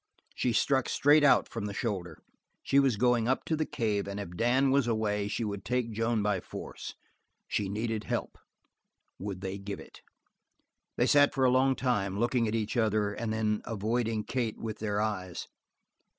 She struck straight out from the shoulder. She was going up to the cave and if Dan was away she would take Joan by force; she needed help; would they give it? They sat for a long time, looking at each other and then avoiding Kate with their eyes.